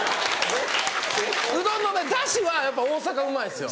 うどんのダシはやっぱ大阪うまいんですよ。